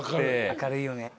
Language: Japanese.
明るいよね。